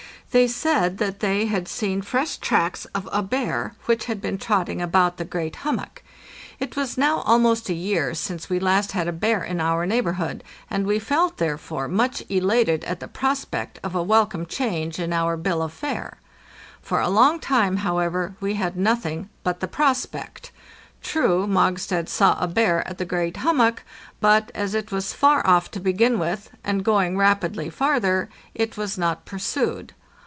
They said that they had seen fresh tracks of a bear, which had been trotting about the 638 APPENDIX great hummock. It was now almost a year since we last had a bear in our neighborhood, and we felt, therefore, much elated at the prospect of a welcome change in our bill of fare. For a long time, however, we had nothing but the prospect. True, Mogstad saw a bear at the great hummock, but, as it was far off to begin with, and going rapidly farther, it was not pursued.